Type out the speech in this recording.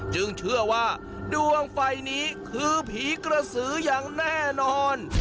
เชื่อว่าดวงไฟนี้คือผีกระสืออย่างแน่นอน